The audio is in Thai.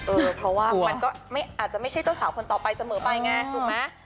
เพราะว่ามันก็อาจจะไม่ใช่เจ้าสาวคนต่อไปเสมอไปไงถูกไหม